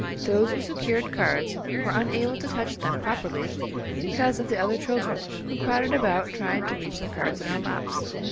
Those who secured cards were unable to touch them properly because of the other children, who crowded about trying to reach the cards in our laps.